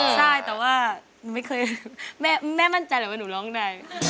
ใช่จ้าแต่ว่า